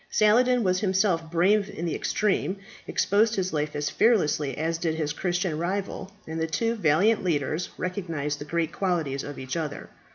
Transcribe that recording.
Saladin was himself brave in the extreme, and exposed his life as fearlessly as did his Christian rival, and the two valiant leaders recognized the great qualities of each other.